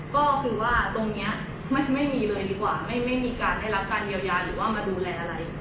ก็คือว่าตรงนี้ไม่มีเลยดีกว่าไม่มีการได้รับการเยียวยาหรือว่ามาดูแลอะไร